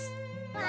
わ